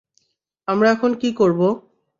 আমরা এখন কি করব?